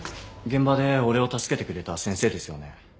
現場で俺を助けてくれた先生ですよね？